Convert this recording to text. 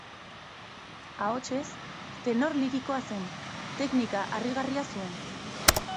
Ahotsez tenor lirikoa zen; teknika harrigarria zuen.